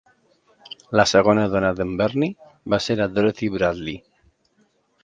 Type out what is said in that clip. La segona dona d'en Bernie va ser la Dorothy Bradley.